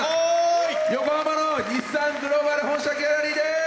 横浜の日産グローバル本社ギャラリーです。